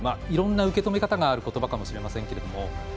いろんな受け止め方があることばかもしれませんけども。